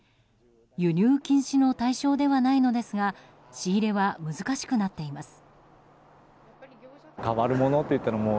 輸入禁止の対象ではないのですが仕入れは難しくなっています。